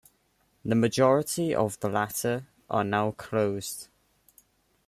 The majority of the latter are now closed.